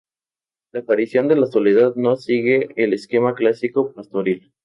La aparición de la Soledad no sigue el esquema clásico pastoril.